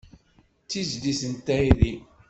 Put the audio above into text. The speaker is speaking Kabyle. D tizlit n tayri.